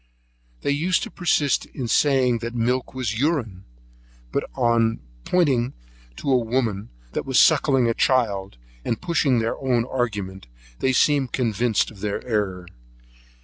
They used to persist in saying that milk was urine; but on pointing to a woman that was suckling her child, and pushing their own argument, they seemed convinced of their error.